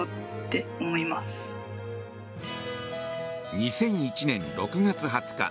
２００１年６月２０日